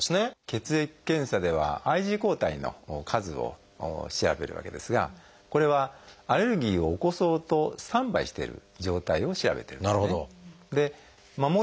血液検査ではＩｇＥ抗体の数を調べるわけですがこれはアレルギーを起こそうとスタンバイしてる状態を調べてるんですね。